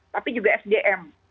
tapi juga sdm